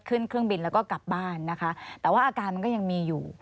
เครื่องบินแล้วก็กลับบ้านนะคะแต่ว่าอาการมันก็ยังมีอยู่